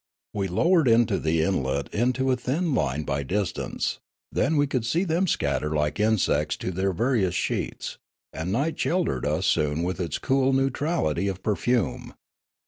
We lowered the islet into a thin line by distance ; then we could see them scatter like in sects to their various sheets ; and night sheltered us soon with its cool neutrality of perfume.